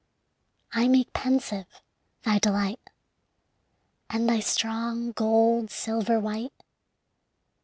I make pensive thy delight, And thy strong gold silver white.